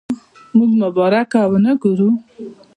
موږ مبارکه ونه وګورو.